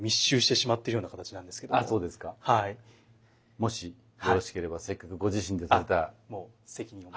もしよろしければせっかくご自身で点てた。